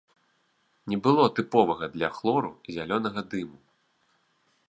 Не было тыповага для хлору зялёнага дыму.